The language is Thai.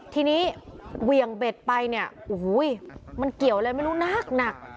ทีนี้เหวี่ยงเบ็ดไปเนี่ยโอ้โหมันเกี่ยวอะไรไม่รู้นักหนัก